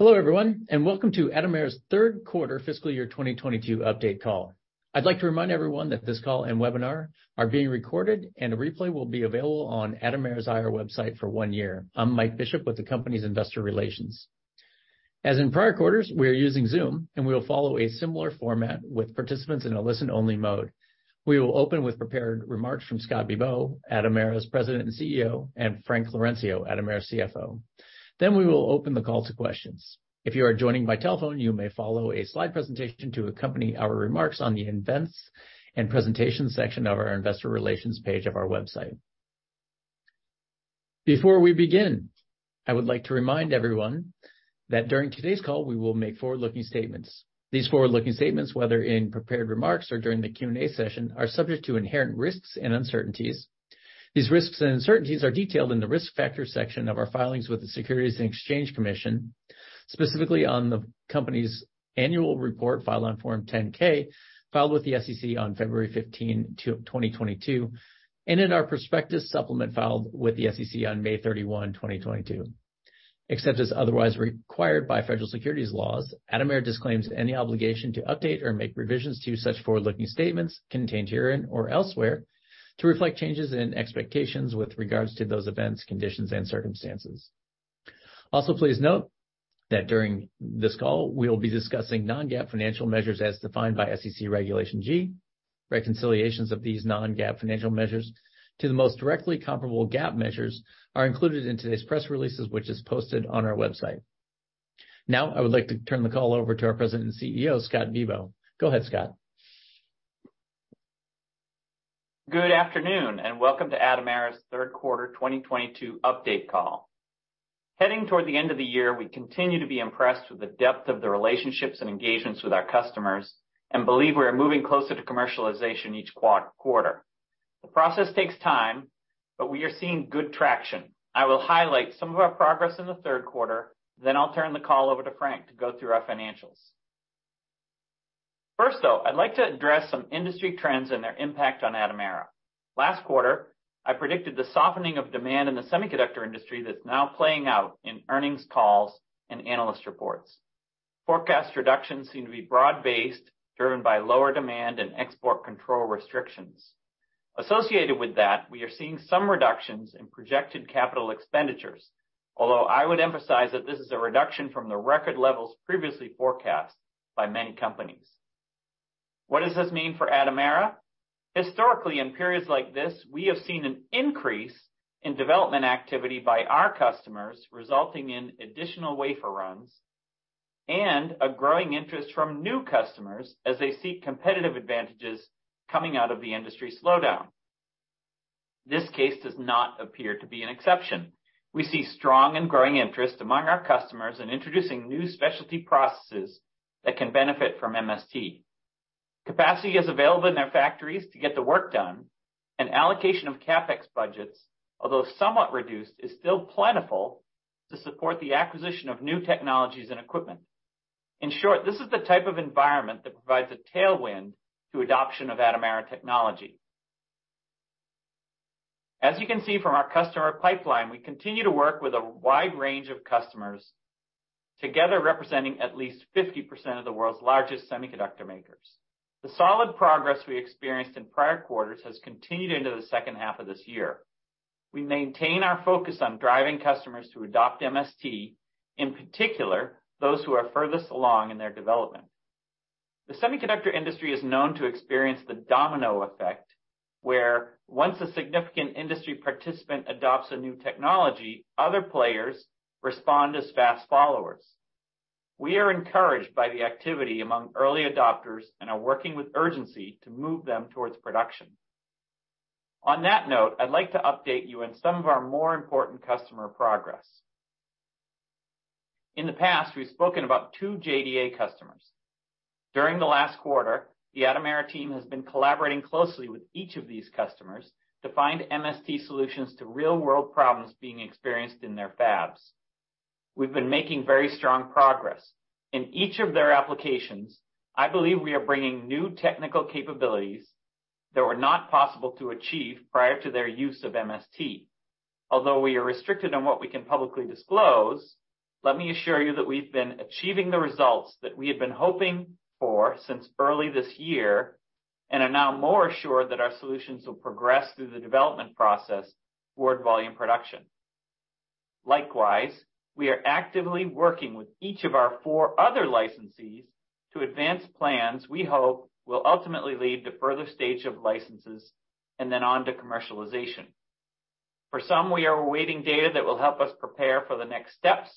Hello, everyone, and welcome to Atomera's third quarter fiscal year 2022 update call. I'd like to remind everyone that this call and webinar are being recorded, and a replay will be available on Atomera's IR website for one year. I'm Mike Bishop with the Company's Investor Relations. As in prior quarters, we are using Zoom, and we will follow a similar format with participants in a listen-only mode. We will open with prepared remarks from Scott Bibaud, Atomera's President and CEO, and Frank Laurencio, Atomera's CFO. Then we will open the call to questions. If you are joining by telephone, you may follow a slide presentation to accompany our remarks on the events and presentations section of our investor relations page of our website. Before we begin, I would like to remind everyone that during today's call we will make forward-looking statements. These forward-looking statements, whether in prepared remarks or during the Q&A session, are subject to inherent risks and uncertainties. These risks and uncertainties are detailed in the Risk Factors section of our filings with the Securities and Exchange Commission, specifically the company's annual report filed on Form 10-K, filed with the SEC on February 15, 2022, and in our prospectus supplement filed with the SEC on May 31, 2022. Except as otherwise required by federal securities laws, Atomera disclaims any obligation to update or make revisions to such forward-looking statements contained herein or elsewhere to reflect changes in expectations with regards to those events, conditions, and circumstances. Also, please note that during this call we'll be discussing non-GAAP financial measures as defined by SEC Regulation G. Reconciliations of these non-GAAP financial measures to the most directly comparable GAAP measures are included in today's press releases, which is posted on our website. Now, I would like to turn the call over to our President and CEO, Scott Bibaud. Go ahead, Scott. Good afternoon, and welcome to Atomera's third quarter 2022 update call. Heading toward the end of the year, we continue to be impressed with the depth of the relationships and engagements with our customers and believe we are moving closer to commercialization each quarter. The process takes time, but we are seeing good traction. I will highlight some of our progress in the third quarter, then I'll turn the call over to Frank to go through our financials. First, though, I'd like to address some industry trends and their impact on Atomera. Last quarter, I predicted the softening of demand in the semiconductor industry that's now playing out in earnings calls and analyst reports. Forecast reductions seem to be broad-based, driven by lower demand and export control restrictions. Associated with that, we are seeing some reductions in projected capital expenditures, although I would emphasize that this is a reduction from the record levels previously forecast by many companies. What does this mean for Atomera? Historically, in periods like this, we have seen an increase in development activity by our customers, resulting in additional wafer runs and a growing interest from new customers as they seek competitive advantages coming out of the industry slowdown. This case does not appear to be an exception. We see strong and growing interest among our customers in introducing new specialty processes that can benefit from MST. Capacity is available in their factories to get the work done, and allocation of CapEx budgets, although somewhat reduced, is still plentiful to support the acquisition of new technologies and equipment. In short, this is the type of environment that provides a tailwind to adoption of Atomera technology. As you can see from our customer pipeline, we continue to work with a wide range of customers, together representing at least 50% of the world's largest semiconductor makers. The solid progress we experienced in prior quarters has continued into the second half of this year. We maintain our focus on driving customers to adopt MST, in particular, those who are furthest along in their development. The semiconductor industry is known to experience the domino effect, where once a significant industry participant adopts a new technology, other players respond as fast followers. We are encouraged by the activity among early adopters and are working with urgency to move them towards production. On that note, I'd like to update you on some of our more important customer progress. In the past, we've spoken about two JDA customers. During the last quarter, the Atomera team has been collaborating closely with each of these customers to find MST solutions to real-world problems being experienced in their fabs. We've been making very strong progress. In each of their applications, I believe we are bringing new technical capabilities that were not possible to achieve prior to their use of MST. Although we are restricted on what we can publicly disclose, let me assure you that we've been achieving the results that we have been hoping for since early this year and are now more assured that our solutions will progress through the development process toward volume production. Likewise, we are actively working with each of our four other licensees to advance plans we hope will ultimately lead to further stage of licenses and then on to commercialization. For some, we are awaiting data that will help us prepare for the next steps.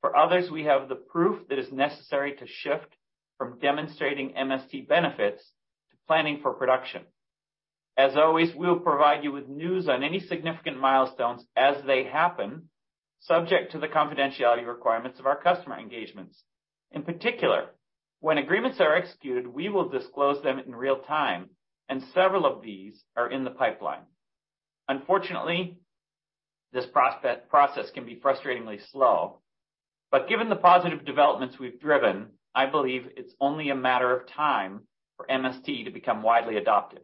For others, we have the proof that is necessary to shift from demonstrating MST benefits to planning for production. As always, we'll provide you with news on any significant milestones as they happen, subject to the confidentiality requirements of our customer engagements. In particular, when agreements are executed, we will disclose them in real time, and several of these are in the pipeline. Unfortunately, this process can be frustratingly slow, but given the positive developments we've driven, I believe it's only a matter of time for MST to become widely adopted.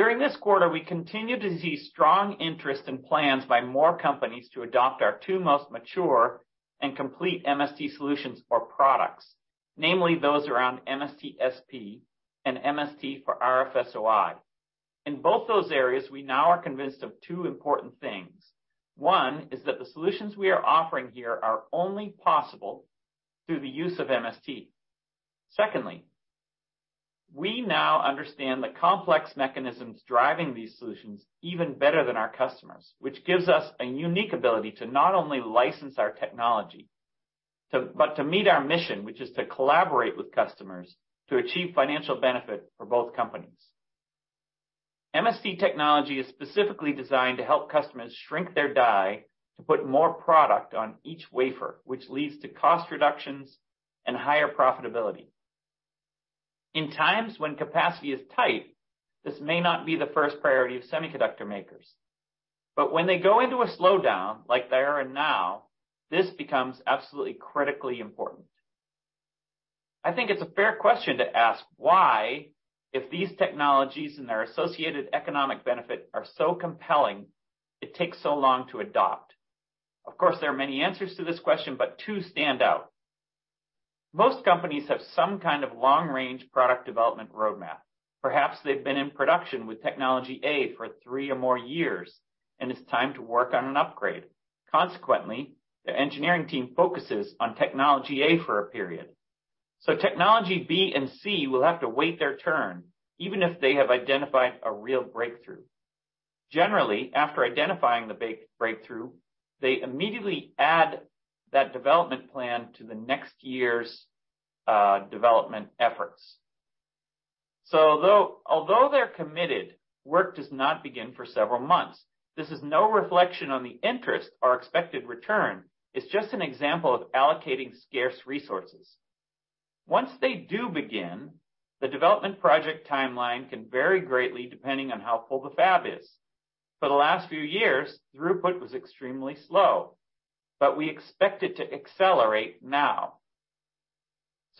During this quarter, we continued to see strong interest in plans by more companies to adopt our two most mature and complete MST solutions or products, namely those around MST-SP and MST for RF-SOI. In both those areas, we now are convinced of two important things. One is that the solutions we are offering here are only possible through the use of MST. Secondly, we now understand the complex mechanisms driving these solutions even better than our customers, which gives us a unique ability to not only license our technology to, but to meet our mission, which is to collaborate with customers to achieve financial benefit for both companies. MST technology is specifically designed to help customers shrink their die to put more product on each wafer, which leads to cost reductions and higher profitability. In times when capacity is tight, this may not be the first priority of semiconductor makers, but when they go into a slowdown like they are in now, this becomes absolutely critically important. I think it's a fair question to ask why, if these technologies and their associated economic benefit are so compelling, it takes so long to adopt. Of course, there are many answers to this question, but two stand out. Most companies have some kind of long-range product development roadmap. Perhaps they've been in production with technology A for three or more years, and it's time to work on an upgrade. Consequently, their engineering team focuses on technology A for a period, so technology B and C will have to wait their turn, even if they have identified a real breakthrough. Generally, after identifying the breakthrough, they immediately add that development plan to the next year's development efforts. Although they're committed, work does not begin for several months. This is no reflection on the interest or expected return. It's just an example of allocating scarce resources. Once they do begin, the development project timeline can vary greatly depending on how full the fab is. For the last few years, throughput was extremely slow, but we expect it to accelerate now.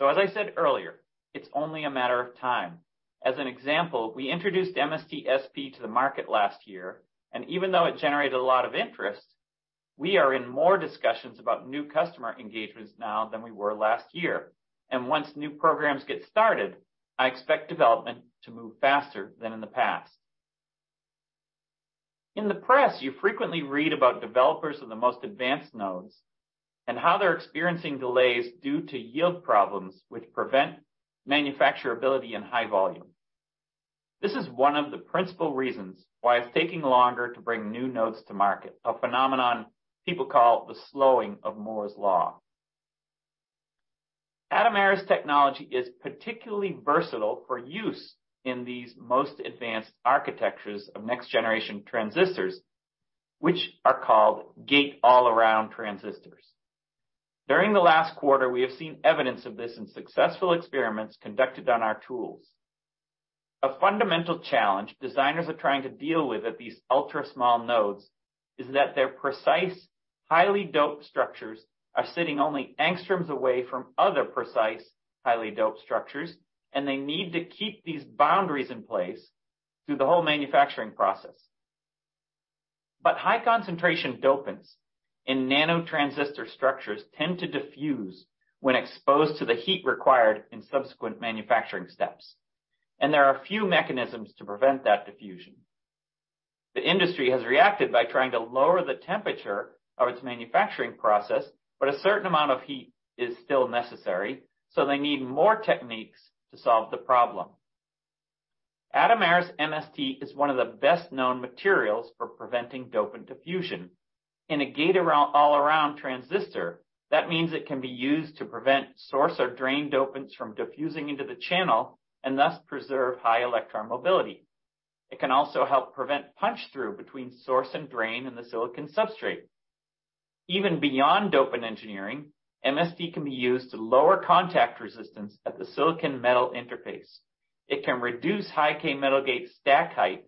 As I said earlier, it's only a matter of time. As an example, we introduced MST-SP to the market last year, and even though it generated a lot of interest, we are in more discussions about new customer engagements now than we were last year. Once new programs get started, I expect development to move faster than in the past. In the press, you frequently read about developers of the most advanced nodes and how they're experiencing delays due to yield problems, which prevent manufacturability and high volume. This is one of the principal reasons why it's taking longer to bring new nodes to market, a phenomenon people call the slowing of Moore's Law. Atomera's technology is particularly versatile for use in these most advanced architectures of next generation transistors, which are called Gate-All-Around transistors. During the last quarter, we have seen evidence of this in successful experiments conducted on our tools. A fundamental challenge designers are trying to deal with at these ultra-small nodes is that their precise, highly doped structures are sitting only angstroms away from other precise, highly doped structures, and they need to keep these boundaries in place through the whole manufacturing process. High concentration dopants in nano transistor structures tend to diffuse when exposed to the heat required in subsequent manufacturing steps, and there are few mechanisms to prevent that diffusion. The industry has reacted by trying to lower the temperature of its manufacturing process, but a certain amount of heat is still necessary, so they need more techniques to solve the problem. Atomera's MST is one of the best-known materials for preventing dopant diffusion. In a Gate-All-Around transistor, that means it can be used to prevent source or drain dopants from diffusing into the channel and thus preserve high electron mobility. It can also help prevent punch-through between source and drain in the silicon substrate. Even beyond dopant engineering, MST can be used to lower contact resistance at the silicon metal interface. It can reduce High-K Metal Gate stack height.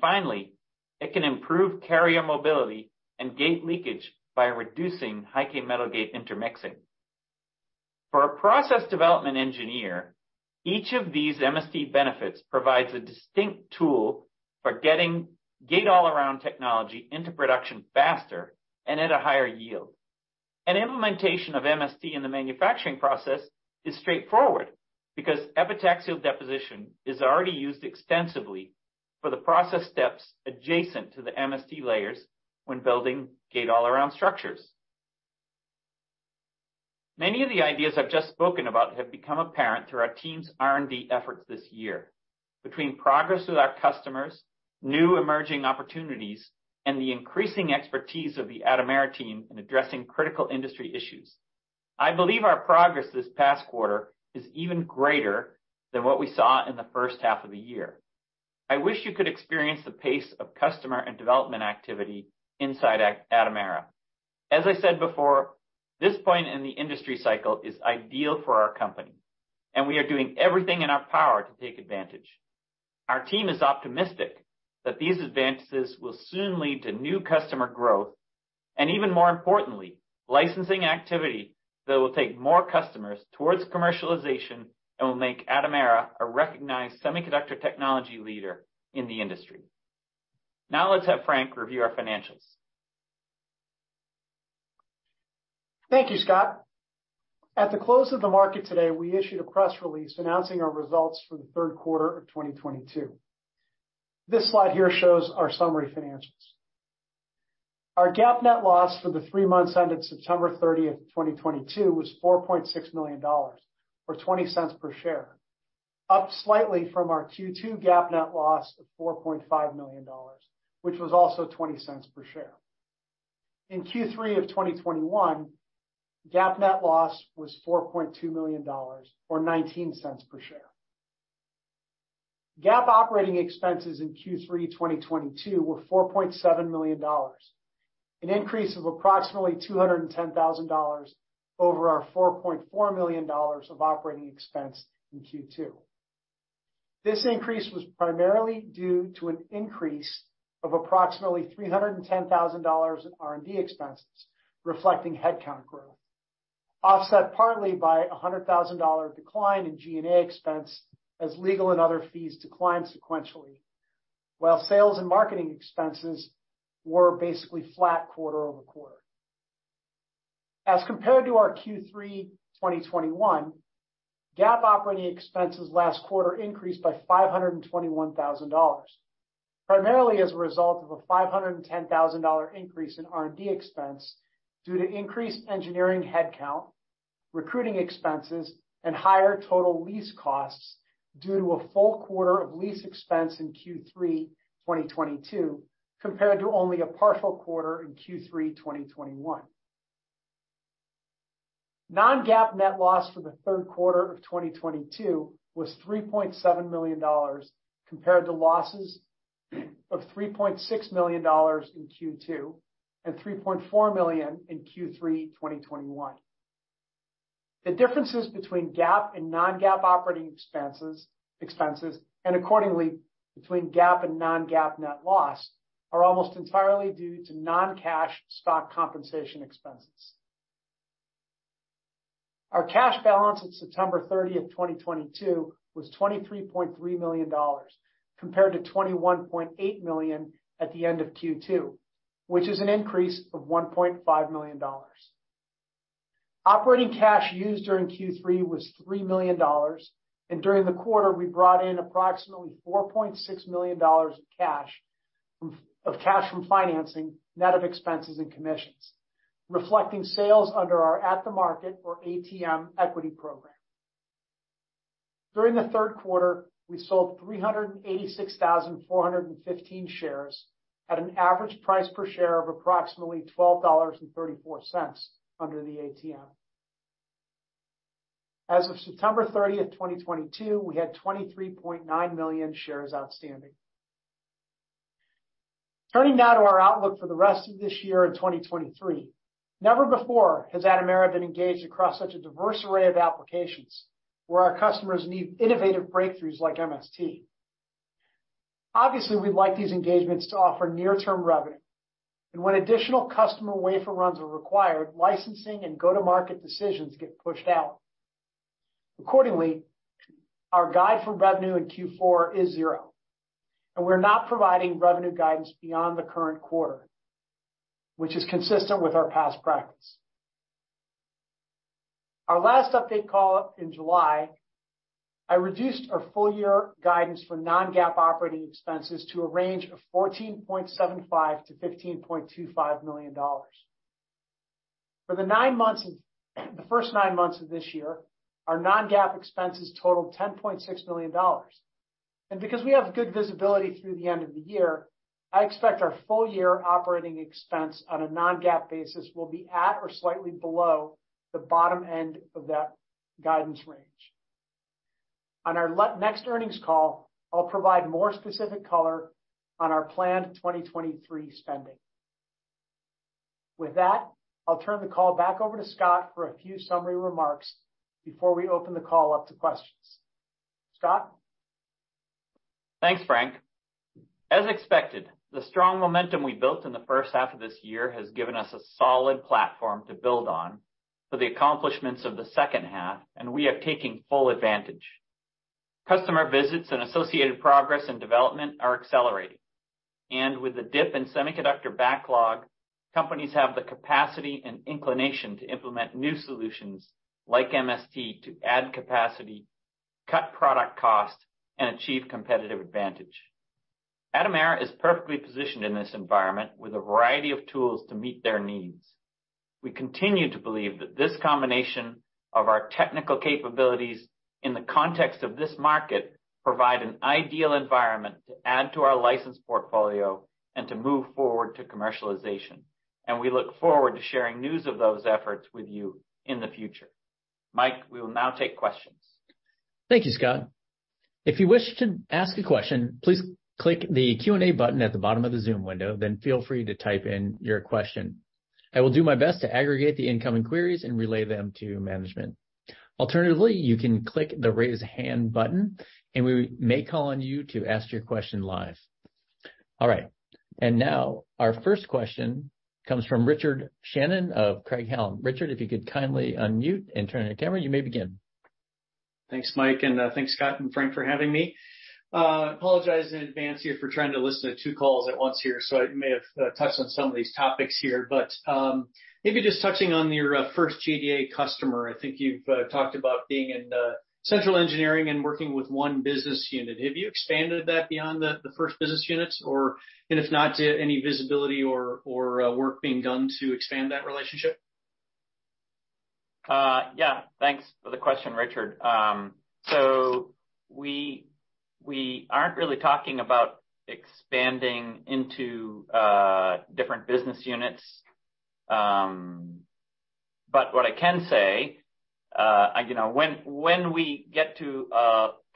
Finally, it can improve carrier mobility and gate leakage by reducing High-K Metal Gate intermixing. For a process development engineer, each of these MST benefits provides a distinct tool for getting Gate-All-Around technology into production faster and at a higher yield. An implementation of MST in the manufacturing process is straightforward because epitaxial deposition is already used extensively for the process steps adjacent to the MST layers when building Gate-All-Around structures. Many of the ideas I've just spoken about have become apparent through our team's R&D efforts this year. Between progress with our customers, new emerging opportunities, and the increasing expertise of the Atomera team in addressing critical industry issues, I believe our progress this past quarter is even greater than what we saw in the first half of the year. I wish you could experience the pace of customer and development activity inside Atomera. As I said before, this point in the industry cycle is ideal for our company, and we are doing everything in our power to take advantage. Our team is optimistic that these advantages will soon lead to new customer growth, and even more importantly, licensing activity that will take more customers towards commercialization and will make Atomera a recognized semiconductor technology leader in the industry. Now let's have Frank review our financials. Thank you, Scott. At the close of the market today, we issued a press release announcing our results for the third quarter of 2022. This slide here shows our summary financials. Our GAAP net loss for the three months ended September 30th, 2022 was $4.6 million, or $0.20 per share, up slightly from our Q2 GAAP net loss of $4.5 million, which was also $0.20 per share. In Q3 of 2021, GAAP net loss was $4.2 million, or $0.19 per share. GAAP operating expenses in Q3 2022 were $4.7 million, an increase of approximately $210,000 over our $4.4 million of operating expense in Q2. This increase was primarily due to an increase of approximately $310,000 in R&D expenses reflecting headcount growth, offset partly by a $100,000 decline in G&A expense as legal and other fees declined sequentially, while sales and marketing expenses were basically flat quarter-over-quarter. As compared to our Q3 2021, GAAP operating expenses last quarter increased by $521,000, primarily as a result of a $510,000 increase in R&D expense due to increased engineering headcount, recruiting expenses, and higher total lease costs due to a full quarter of lease expense in Q3 2022, compared to only a partial quarter in Q3 2021. Non-GAAP net loss for the third quarter of 2022 was $3.7 million, compared to losses of $3.6 million in Q2 and $3.4 million in Q3 2021. The differences between GAAP and non-GAAP operating expenses and accordingly between GAAP and non-GAAP net loss are almost entirely due to non-cash stock compensation expenses. Our cash balance at September 30th, 2022 was $23.3 million, compared to $21.8 million at the end of Q2, which is an increase of $1.5 million. Operating cash used during Q3 was $3 million, and during the quarter, we brought in approximately $4.6 million of cash from financing net of expenses and commissions, reflecting sales under our at-the-market, or ATM, equity program. During the third quarter, we sold 386,415 shares at an average price per share of approximately $12.34 under the ATM. As of September 30th, 2022, we had 23.9 million shares outstanding. Turning now to our outlook for the rest of this year in 2023. Never before has Atomera been engaged across such a diverse array of applications where our customers need innovative breakthroughs like MST. Obviously, we'd like these engagements to offer near-term revenue, and when additional customer wafer runs are required, licensing and go-to-market decisions get pushed out. Accordingly, our guide for revenue in Q4 is $0, and we're not providing revenue guidance beyond the current quarter, which is consistent with our past practice. Our last update call in July, I reduced our full year guidance for non-GAAP operating expenses to a range of $14.75 million-$15.25 million. For the first nine months of this year, our non-GAAP expenses totaled $10.6 million. Because we have good visibility through the end of the year, I expect our full year operating expense on a non-GAAP basis will be at or slightly below the bottom end of that guidance range. On our next earnings call, I'll provide more specific color on our planned 2023 spending. With that, I'll turn the call back over to Scott for a few summary remarks before we open the call up to questions. Scott? Thanks, Frank. As expected, the strong momentum we built in the first half of this year has given us a solid platform to build on for the accomplishments of the second half, and we are taking full advantage. Customer visits and associated progress and development are accelerating. With the dip in semiconductor backlog, companies have the capacity and inclination to implement new solutions like MST to add capacity, cut product cost, and achieve competitive advantage. Atomera is perfectly positioned in this environment with a variety of tools to meet their needs. We continue to believe that this combination of our technical capabilities in the context of this market provide an ideal environment to add to our license portfolio and to move forward to commercialization, and we look forward to sharing news of those efforts with you in the future. Mike, we will now take questions. Thank you, Scott. If you wish to ask a question, please click the Q&A button at the bottom of the Zoom window, then feel free to type in your question. I will do my best to aggregate the incoming queries and relay them to management. Alternatively, you can click the Raise Hand button, and we may call on you to ask your question live. All right. Now our first question comes from Richard Shannon of Craig-Hallum. Richard, if you could kindly unmute and turn on your camera, you may begin. Thanks, Mike, and thanks Scott and Frank for having me. I apologize in advance here for trying to listen to two calls at once here, so I may have touched on some of these topics here. Maybe just touching on your first JDA customer. I think you've talked about being in central engineering and working with one business unit. Have you expanded that beyond the first business units? Or if not, any visibility or work being done to expand that relationship? Yeah. Thanks for the question, Richard. We aren't really talking about expanding into different business units. What I can say, you know, when we get to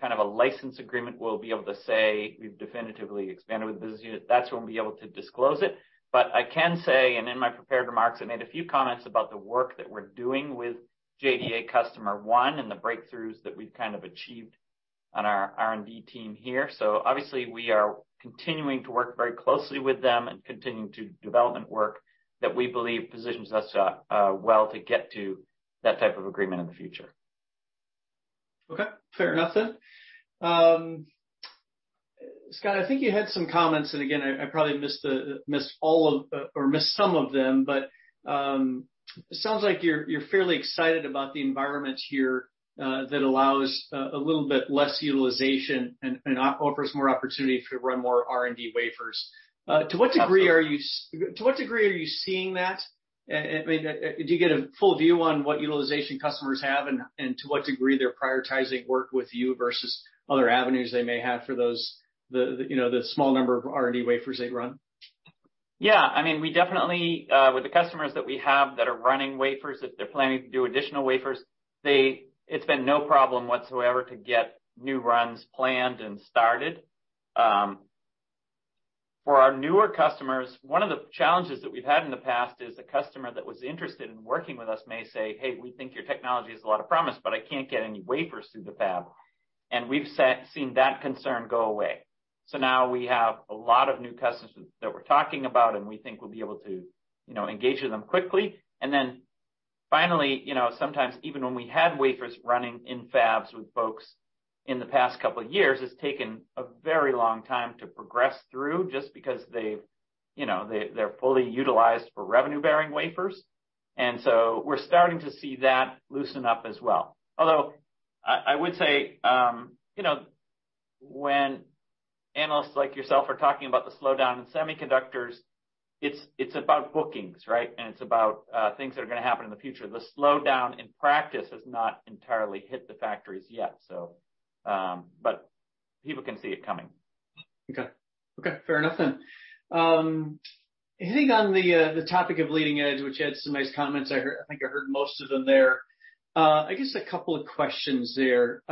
kind of a license agreement, we'll be able to say we've definitively expanded with the business unit. That's when we'll be able to disclose it. I can say, and in my prepared remarks, I made a few comments about the work that we're doing with JDA customer one and the breakthroughs that we've kind of achieved on our R&D team here. Obviously, we are continuing to work very closely with them and continuing the development work that we believe positions us well to get to that type of agreement in the future. Okay, fair enough then. Scott, I think you had some comments, and again, I probably missed all of or missed some of them, but it sounds like you're fairly excited about the environment here that allows a little bit less utilization and offers more opportunity to run more R&D wafers. To what degree are you seeing that? I mean, do you get a full view on what utilization customers have and to what degree they're prioritizing work with you versus other avenues they may have for those, you know, the small number of R&D wafers they run? Yeah. I mean, we definitely with the customers that we have that are running wafers, if they're planning to do additional wafers, It's been no problem whatsoever to get new runs planned and started. For our newer customers, one of the challenges that we've had in the past is a customer that was interested in working with us may say, "Hey, we think your technology has a lot of promise, but I can't get any wafers through the fab." We've seen that concern go away. Now we have a lot of new customers that we're talking about, and we think we'll be able to, you know, engage with them quickly. You know, sometimes even when we had wafers running in fabs with folks in the past couple of years, it's taken a very long time to progress through just because they've you know they're fully utilized for revenue-bearing wafers. We're starting to see that loosen up as well. Although I would say you know when analysts like yourself are talking about the slowdown in semiconductors, it's about bookings, right? It's about things that are gonna happen in the future. The slowdown in practice has not entirely hit the factories yet, but people can see it coming. Okay. Okay, fair enough then. Hitting on the topic of leading edge, which you had some nice comments I heard. I think I heard most of them there. I guess a couple of questions there.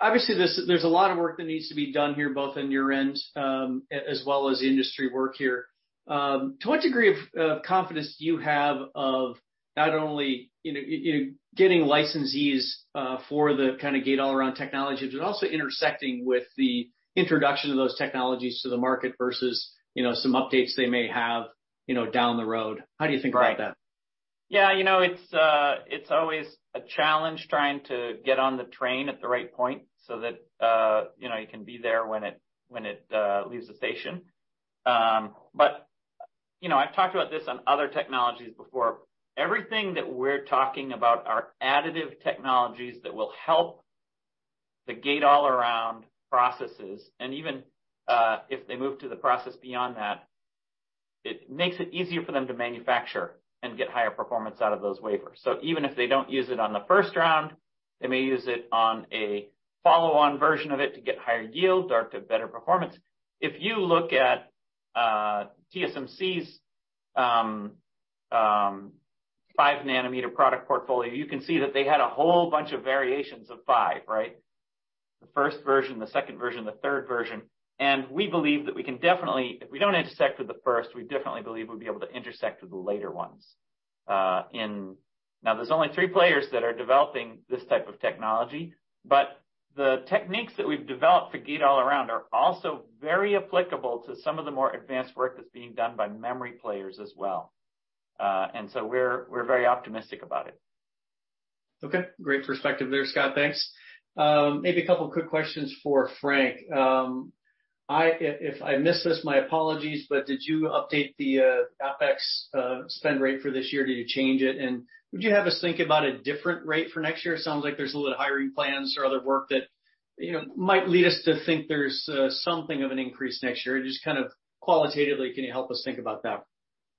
Obviously, there's a lot of work that needs to be done here, both on your end, as well as industry work here. To what degree of confidence do you have of not only, you know, you getting licensees for the kind of Gate-All-Around technology, but also intersecting with the introduction of those technologies to the market versus, you know, some updates they may have, you know, down the road? How do you think about that? Right. Yeah, you know, it's always a challenge trying to get on the train at the right point so that, you know, you can be there when it leaves the station. You know, I've talked about this on other technologies before. Everything that we're talking about are additive technologies that will help the Gate-All-Around processes, and even if they move to the process beyond that, it makes it easier for them to manufacture and get higher performance out of those wafers. Even if they don't use it on the first round, they may use it on a follow-on version of it to get higher yields or to better performance. If you look at TSMC's 5 nm product portfolio, you can see that they had a whole bunch of variations of 5 nm, right? The first version, the second version, the third version. We believe that we can definitely. If we don't intersect with the first, we definitely believe we'll be able to intersect with the later ones. Now, there's only three players that are developing this type of technology, but the techniques that we've developed for Gate-All-Around are also very applicable to some of the more advanced work that's being done by memory players as well. We're very optimistic about it. Okay. Great perspective there, Scott. Thanks. Maybe a couple of quick questions for Frank. If I missed this, my apologies, but did you update the CapEx spend rate for this year? Did you change it? Would you have us think about a different rate for next year? It sounds like there's a little hiring plans or other work that, you know, might lead us to think there's something of an increase next year. Just kind of qualitatively, can you help us think about that?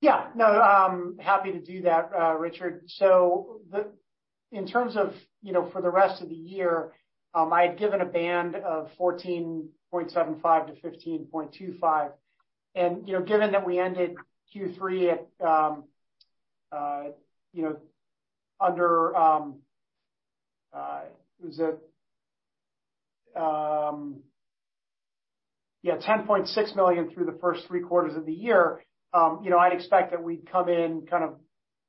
Yeah. No, I'm happy to do that, Richard. In terms of, you know, for the rest of the year, I had given a band of $14.75 million-$15.25 million. You know, given that we ended Q3 at, you know, under, was it, yeah, $10.6 million through the first three quarters of the year. You know, I'd expect that we'd come in kind of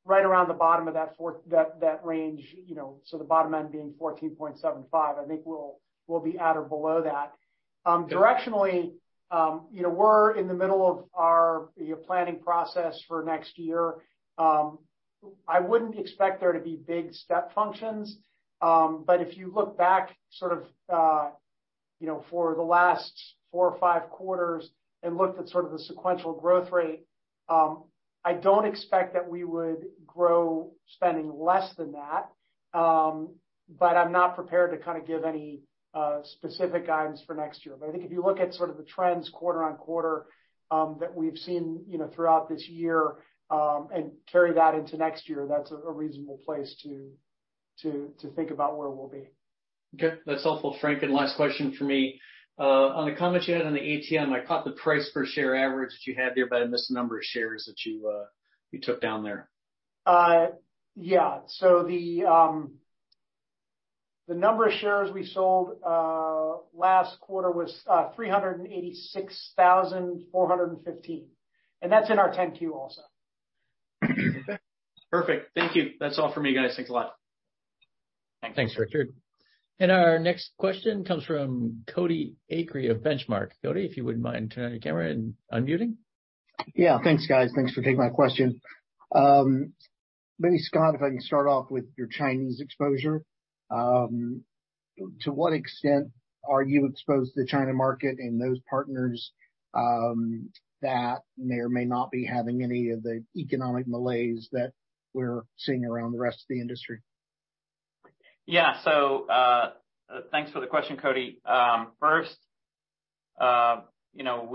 right around the bottom of that range, you know. The bottom end being $14.75 million. I think we'll be at or below that. Directionally, you know, we're in the middle of our planning process for next year. I wouldn't expect there to be big step functions. If you look back sort of, you know, for the last four or five quarters and looked at sort of the sequential growth rate, I don't expect that we would grow spending less than that. I'm not prepared to kinda give any specific guidance for next year. I think if you look at sort of the trends quarter-over-quarter that we've seen, you know, throughout this year, and carry that into next year, that's a reasonable place to think about where we'll be. Okay, that's helpful, Frank. Last question from me. On the comment you had on the ATM, I caught the price per share average that you had there, but I missed the number of shares that you took down there. Yeah. The number of shares we sold last quarter was 386,415, and that's in our 10-Q also. Perfect. Thank you. That's all for me, guys. Thanks a lot. Thanks. Thanks, Richard. Our next question comes from Cody Acree of Benchmark. Cody, if you wouldn't mind turning on your camera and unmuting. Yeah. Thanks, guys. Thanks for taking my question. Maybe Scott, if I can start off with your Chinese exposure. To what extent are you exposed to the China market and those partners, that may or may not be having any of the economic malaise that we're seeing around the rest of the industry? Yeah. Thanks for the question, Cody. First, you know,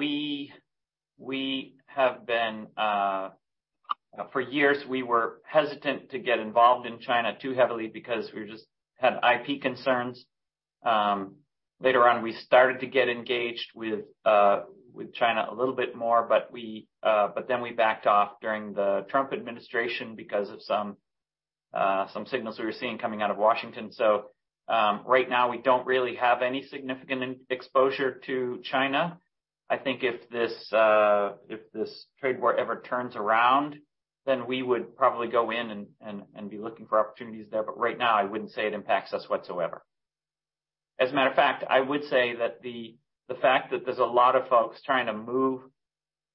for years we were hesitant to get involved in China too heavily because we just had IP concerns. Later on, we started to get engaged with China a little bit more, but then we backed off during the Trump administration because of some signals we were seeing coming out of Washington. Right now we don't really have any significant exposure to China. I think if this trade war ever turns around, then we would probably go in and be looking for opportunities there. But right now, I wouldn't say it impacts us whatsoever. As a matter of fact, I would say that the fact that there's a lot of folks trying to move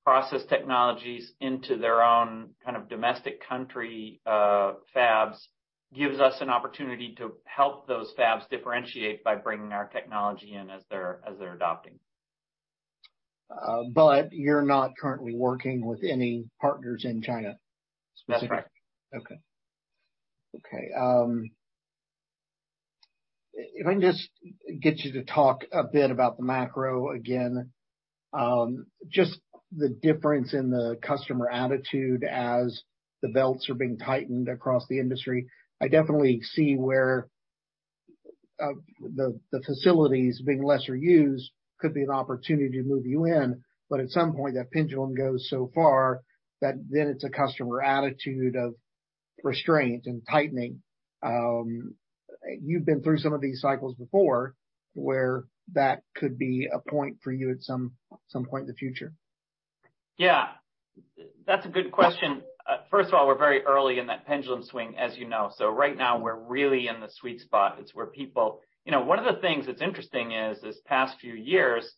process technologies into their own kind of domestic country, fabs, gives us an opportunity to help those fabs differentiate by bringing our technology in as they're adopting. You're not currently working with any partners in China specifically? That's right. Okay. If I can just get you to talk a bit about the macro again, just the difference in the customer attitude as the belts are being tightened across the industry. I definitely see where the facilities being lesser used could be an opportunity to move you in, but at some point, that pendulum goes so far that then it's a customer attitude of restraint and tightening. You've been through some of these cycles before where that could be a point for you at some point in the future. Yeah. That's a good question. First of all, we're very early in that pendulum swing, as you know. Right now we're really in the sweet spot. It's where people you know, one of the things that's interesting is this past few years,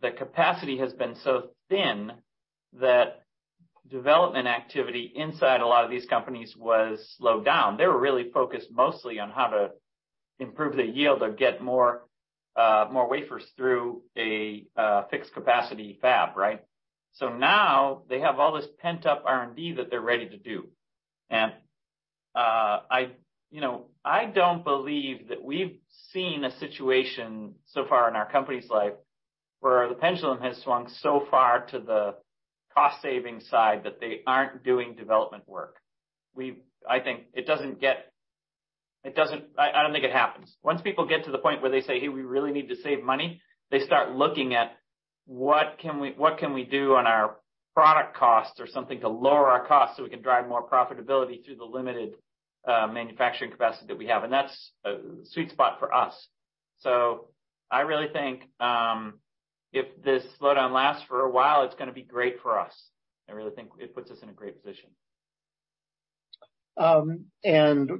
the capacity has been so thin that development activity inside a lot of these companies was slowed down. They were really focused mostly on how to improve the yield or get more wafers through a fixed capacity fab, right? Now they have all this pent-up R&D that they're ready to do. You know, I don't believe that we've seen a situation so far in our company's life where the pendulum has swung so far to the cost-saving side that they aren't doing development work. I don't think it happens. Once people get to the point where they say, "Hey, we really need to save money," they start looking at what can we do on our product costs or something to lower our costs, so we can drive more profitability through the limited manufacturing capacity that we have? That's a sweet spot for us. I really think if this slowdown lasts for a while, it's gonna be great for us. I really think it puts us in a great position.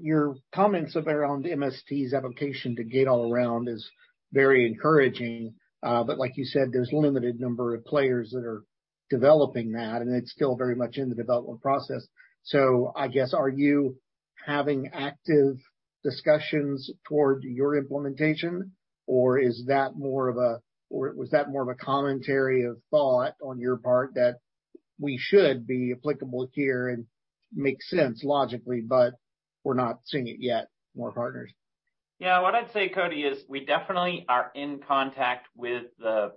Your comments around MST's application to Gate-All-Around is very encouraging. Like you said, there's limited number of players that are developing that, and it's still very much in the development process. I guess, are you having active discussions toward your implementation, or was that more of a commentary or thought on your part that we should be applicable here and makes sense logically, but we're not seeing it yet, more partners? Yeah. What I'd say, Cody, is we definitely are in contact with the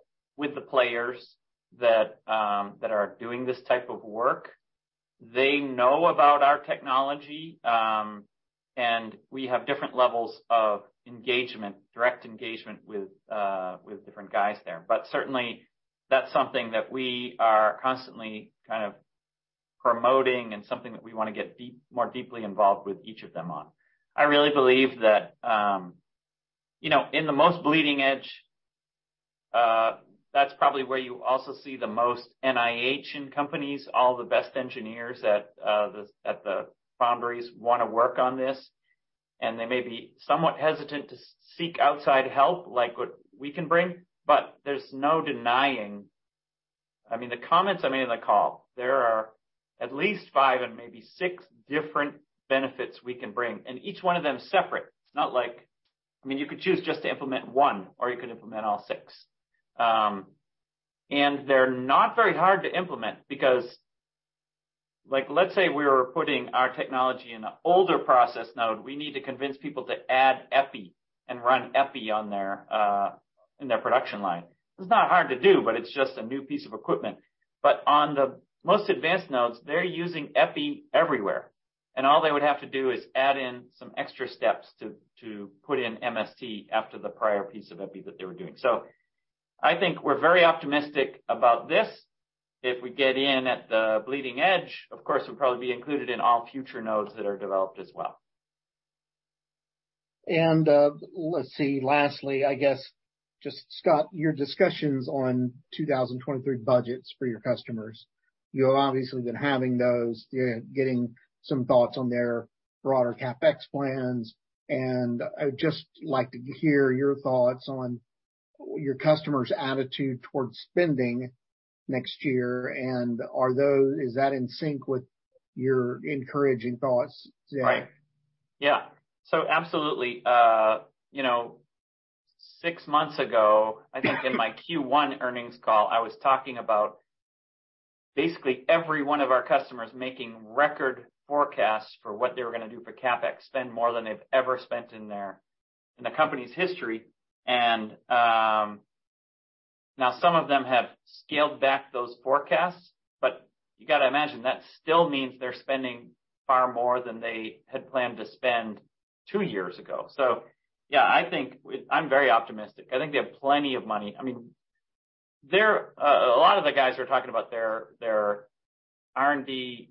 players that are doing this type of work. They know about our technology, and we have different levels of engagement, direct engagement with different guys there. Certainly, that's something that we are constantly promoting and something that we wanna get more deeply involved with each of them on. I really believe that, you know, in the most bleeding edge, that's probably where you also see the most NIH in companies, all the best engineers at the boundaries wanna work on this, and they may be somewhat hesitant to seek outside help like what we can bring, but there's no denying. I mean, the comments I made on the call, there are at least five and maybe six different benefits we can bring, and each one of them is separate. It's not like, I mean, you could choose just to implement one or you could implement all six. They're not very hard to implement because, like, let's say we were putting our technology in an older process node, we need to convince people to add epi and run epi on their in their production line. It's not hard to do, but it's just a new piece of equipment. On the most advanced nodes, they're using epi everywhere, and all they would have to do is add in some extra steps to put in MST after the prior piece of epi that they were doing. I think we're very optimistic about this. If we get in at the bleeding edge, of course, it'll probably be included in all future nodes that are developed as well. Let's see. Lastly, I guess just, Scott, your discussions on 2023 budgets for your customers. You have obviously been having those, you know, getting some thoughts on their broader CapEx plans, and I'd just like to hear your thoughts on your customers' attitude towards spending next year, and is that in sync with your encouraging thoughts today? Right. Yeah. Absolutely. You know, six months ago, I think in my Q1 earnings call, I was talking about basically every one of our customers making record forecasts for what they were gonna do for CapEx, spend more than they've ever spent in the company's history. Now some of them have scaled back those forecasts, but you gotta imagine that still means they're spending far more than they had planned to spend two years ago. Yeah, I think I'm very optimistic. I think they have plenty of money. I mean, they're a lot of the guys we're talking about their R&D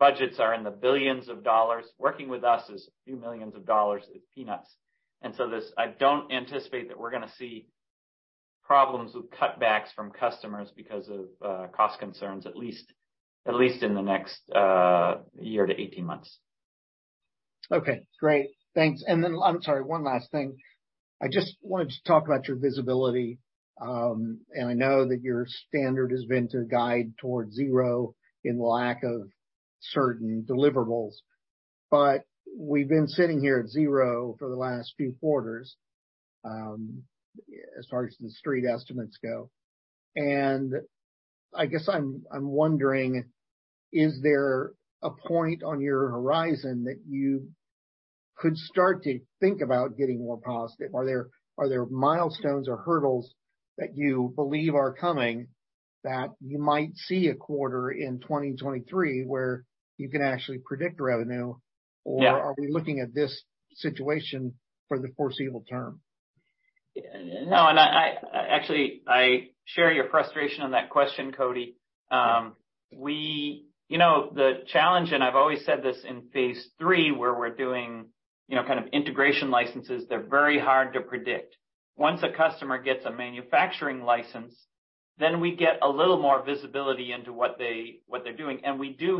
budgets are in the billions of dollars. Working with us is a few million dollars. It's peanuts. This, I don't anticipate that we're gonna see problems with cutbacks from customers because of cost concerns, at least in the next year to 18 months. Okay, great. Thanks. I'm sorry, one last thing. I just wanted to talk about your visibility. I know that your standard has been to guide towards $0 in lack of certain deliverables. We've been sitting here at $0 for the last few quarters, as far as the street estimates go. I guess I'm wondering, is there a point on your horizon that you could start to think about getting more positive? Are there milestones or hurdles that you believe are coming that you might see a quarter in 2023 where you can actually predict revenue? Yeah. Are we looking at this situation for the foreseeable term? No, I actually share your frustration on that question, Cody. You know, the challenge, and I've always said this in phase III, where we're doing, you know, kind of integration licenses, they're very hard to predict. Once a customer gets a manufacturing license, then we get a little more visibility into what they're doing. We do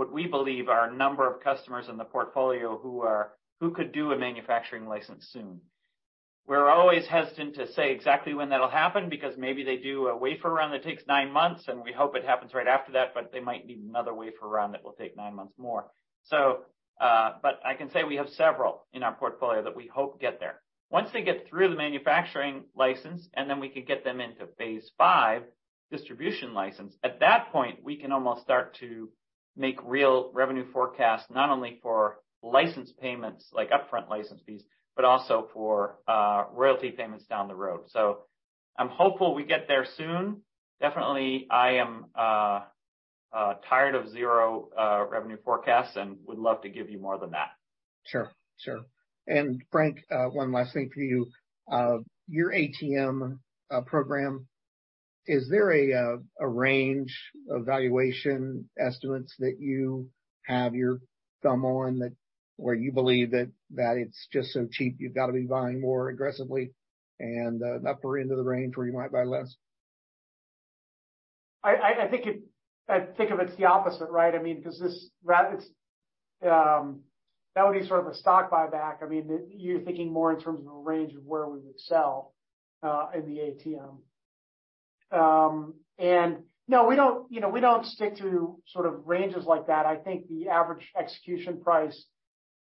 have what we believe are a number of customers in the portfolio who could do a manufacturing license soon. We're always hesitant to say exactly when that'll happen because maybe they do a wafer run that takes nine months, and we hope it happens right after that, but they might need another wafer run that will take nine months more. I can say we have several in our portfolio that we hope get there. Once they get through the manufacturing license, and then we can get them into phase V, distribution license, at that point, we can almost start to make real revenue forecasts, not only for license payments, like upfront license fees, but also for royalty payments down the road. I'm hopeful we get there soon. Definitely, I am tired of $0 revenue forecasts and would love to give you more than that. Sure. Frank, one last thing for you. Your ATM program, is there a range of valuation estimates that you have your thumb on that, where you believe that it's just so cheap you've got to be buying more aggressively and an upper end of the range where you might buy less? I think it's the opposite, right? That would be sort of a stock buyback. I mean, you're thinking more in terms of a range of where we would sell in the ATM. No, we don't, you know, we don't stick to sort of ranges like that. I think the average execution price,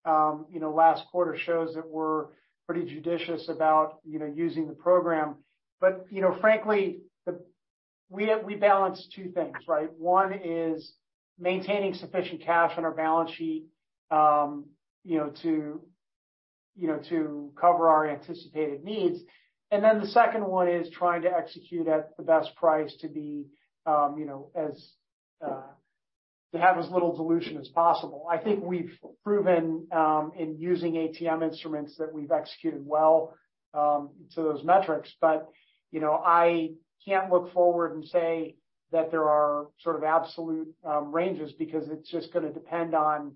you know, last quarter shows that we're pretty judicious about, you know, using the program. You know, frankly, we balance two things, right? One is maintaining sufficient cash on our balance sheet, you know, to cover our anticipated needs. Then the second one is trying to execute at the best price, you know, to have as little dilution as possible. I think we've proven in using ATM instruments that we've executed well to those metrics. You know, I can't look forward and say that there are sort of absolute ranges because it's just gonna depend on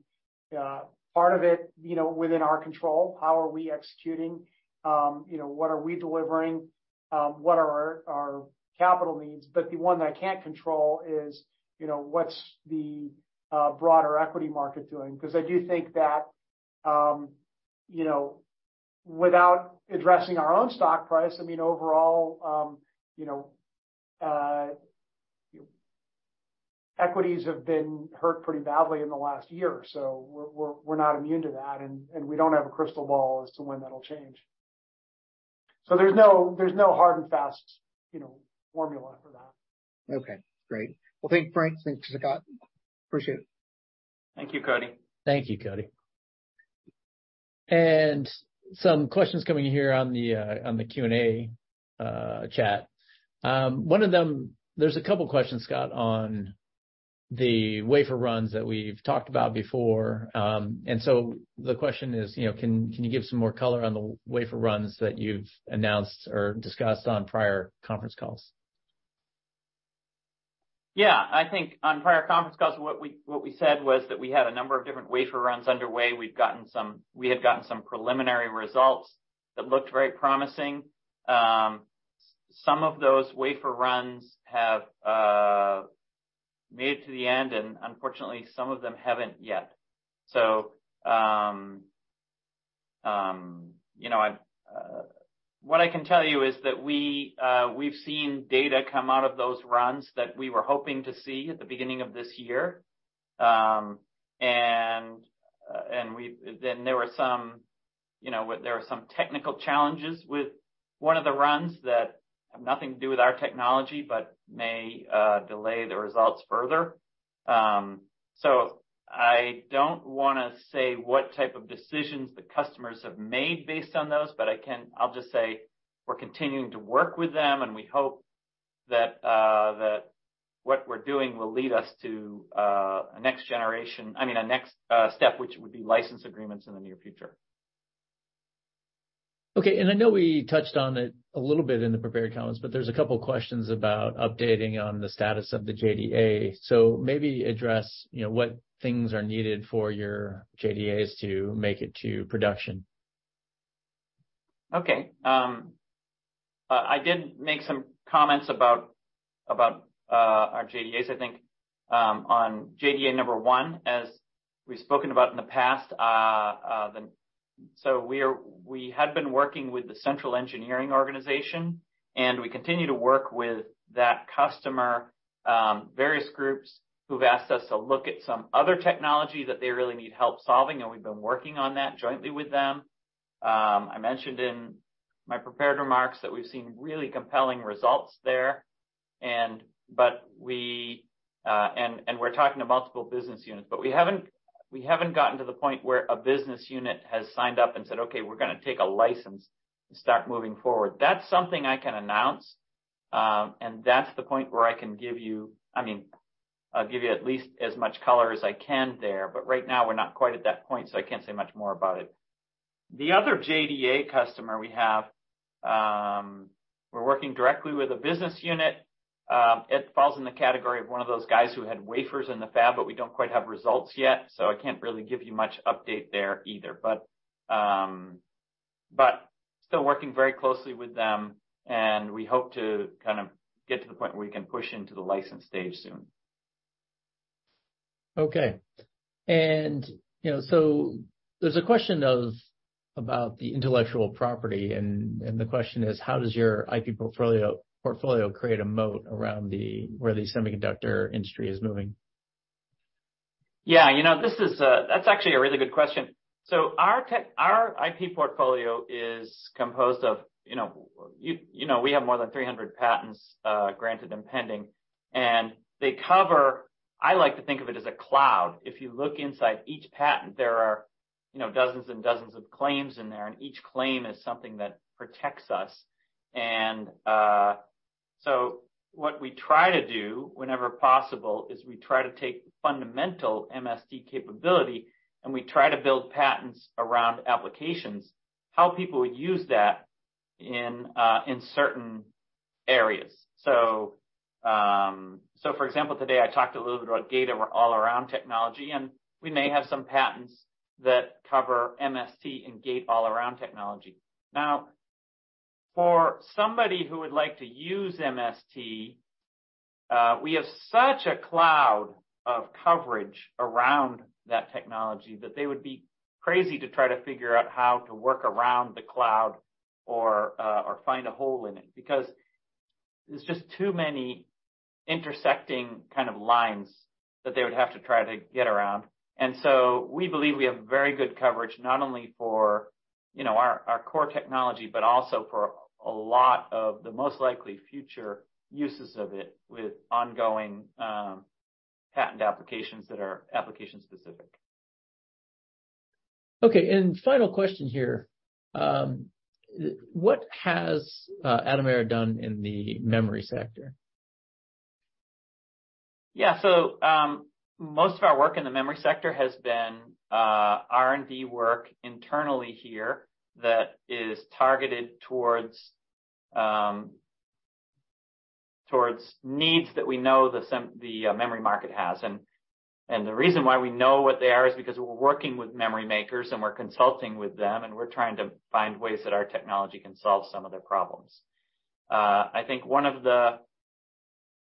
part of it, you know, within our control. How are we executing? You know, what are we delivering? What are our capital needs? The one that I can't control is, you know, what's the broader equity market doing? Because I do think that, you know, without addressing our own stock price, I mean, overall, you know, equities have been hurt pretty badly in the last year. We're not immune to that. We don't have a crystal ball as to when that'll change. There's no hard and fast, you know, formula for that. Okay, great. Well, thank Frank. Thanks, Scott. Appreciate it. Thank you, Cody. Thank you, Cody. Some questions coming in here on the Q&A chat. One of them, there's a couple questions, Scott, on the wafer runs that we've talked about before. The question is, you know, can you give some more color on the wafer runs that you've announced or discussed on prior conference calls? Yeah, I think on prior conference calls, what we said was that we had a number of different wafer runs underway. We had gotten some preliminary results that looked very promising. Some of those wafer runs have made it to the end, and unfortunately, some of them haven't yet. You know, what I can tell you is that we've seen data come out of those runs that we were hoping to see at the beginning of this year. There were some technical challenges with one of the runs that have nothing to do with our technology, but may delay the results further. I don't wanna say what type of decisions the customers have made based on those, but I can. I'll just say we're continuing to work with them, and we hope that what we're doing will lead us to, I mean, a next step, which would be license agreements in the near future. Okay. I know we touched on it a little bit in the prepared comments, but there's a couple questions about updating on the status of the JDA. Maybe address, you know, what things are needed for your JDAs to make it to production. I did make some comments about our JDAs, I think on JDA number one, as we've spoken about in the past. We had been working with the central engineering organization, and we continue to work with that customer, various groups who've asked us to look at some other technology that they really need help solving, and we've been working on that jointly with them. I mentioned in my prepared remarks that we've seen really compelling results there. We're talking to multiple business units, but we haven't gotten to the point where a business unit has signed up and said, "Okay, we're gonna take a license and start moving forward." That's something I can announce, and that's the point where I can give you, I mean, I'll give you at least as much color as I can there, but right now we're not quite at that point, so I can't say much more about it. The other JDA customer we have, we're working directly with a business unit. It falls in the category of one of those guys who had wafers in the fab, but we don't quite have results yet, so I can't really give you much update there either. Still working very closely with them, and we hope to kind of get to the point where we can push into the license stage soon. You know, so there's a question about the intellectual property, and the question is, how does your IP portfolio create a moat around the, where the semiconductor industry is moving? Yeah, you know, this is, that's actually a really good question. Our IP portfolio is composed of, you know, we have more than 300 patents, granted and pending, and they cover. I like to think of it as a cloud. If you look inside each patent, there are, you know, dozens and dozens of claims in there, and each claim is something that protects us. What we try to do whenever possible is we try to take fundamental MST capability, and we try to build patents around applications, how people would use that in certain areas. For example, today I talked a little bit about Gate-All-Around technology, and we may have some patents that cover MST and Gate-All-Around technology. Now, for somebody who would like to use MST, we have such a cloud of coverage around that technology that they would be crazy to try to figure out how to work around the cloud or find a hole in it, because there's just too many intersecting kind of lines that they would have to try to get around. We believe we have very good coverage, not only for, you know, our core technology, but also for a lot of the most likely future uses of it with ongoing patent applications that are application-specific. Okay, final question here. What has Atomera done in the memory sector? Yeah. Most of our work in the memory sector has been R&D work internally here that is targeted towards needs that we know the memory market has. The reason why we know what they are is because we're working with memory makers and we're consulting with them, and we're trying to find ways that our technology can solve some of their problems. I think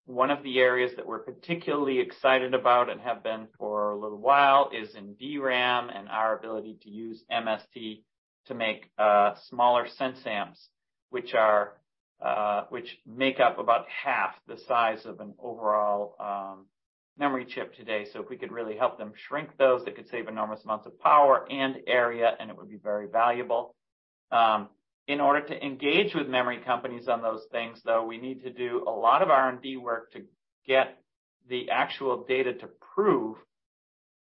one of the areas that we're particularly excited about, and have been for a little while, is in DRAM and our ability to use MST to make smaller sense amps, which make up about half the size of an overall memory chip today. If we could really help them shrink those, they could save enormous amounts of power and area, and it would be very valuable. In order to engage with memory companies on those things, though, we need to do a lot of R&D work to get the actual data to prove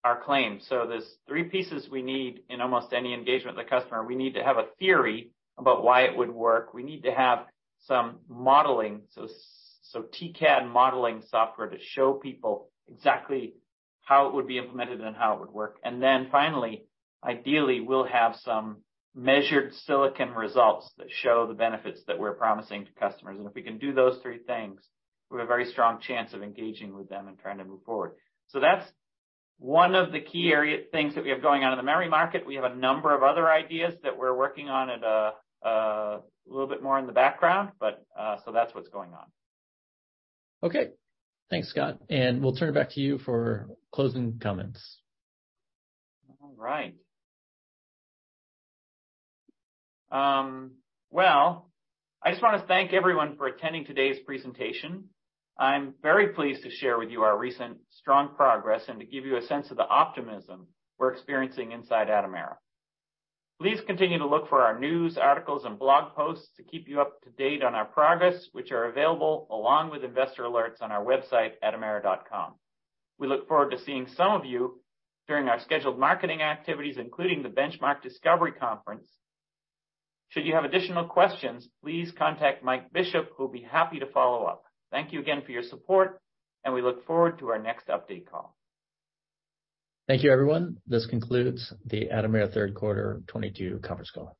our claim. There's three pieces we need in almost any engagement with the customer. We need to have a theory about why it would work. We need to have some modeling, so TCAD modeling software to show people exactly how it would be implemented and how it would work. Then finally, ideally, we'll have some measured silicon results that show the benefits that we're promising to customers. If we can do those three things, we have a very strong chance of engaging with them and trying to move forward. That's one of the key things that we have going on in the memory market. We have a number of other ideas that we're working on at a little bit more in the background, but so that's what's going on. Okay. Thanks, Scott, and we'll turn it back to you for closing comments. All right. Well, I just want to thank everyone for attending today's presentation. I'm very pleased to share with you our recent strong progress, and to give you a sense of the optimism we're experiencing inside Atomera. Please continue to look for our news, articles, and blog posts to keep you up to date on our progress, which are available along with investor alerts on our website, atomera.com. We look forward to seeing some of you during our scheduled marketing activities, including the Benchmark Discovery Conference. Should you have additional questions, please contact Mike Bishop, who'll be happy to follow up. Thank you again for your support, and we look forward to our next update call. Thank you, everyone. This concludes the Atomera third quarter 2022 conference call.